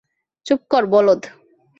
চুপ কর, বলদ!